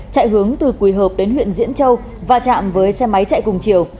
chạy hướng từ quỳ hợp đến huyện diễn châu và chạm với xe máy chạy cùng chiều